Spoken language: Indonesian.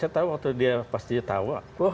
saya tau waktu dia pas dia tawa